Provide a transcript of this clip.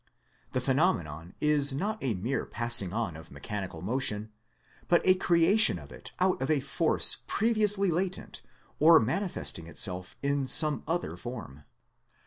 The phenomenon is not a mere passing on of mechanical motion, but a creation of it out of a force previously latent or manifesting itself in some other form.